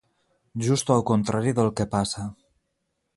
Just al contrari del que passa.